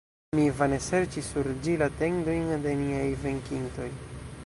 Mi vane serĉis sur ĝi la tendojn de niaj venkintoj.